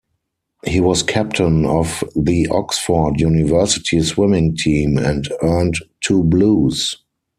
He was Captain of the Oxford University Swimming Team and earned two Blues.